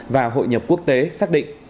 và hội nhập quốc tế xác định